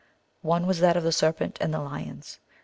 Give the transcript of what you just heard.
One was that of the Serpent and the Lions.